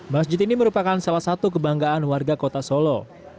masjid ini merupakan salah satu kebanggaan warga kota solo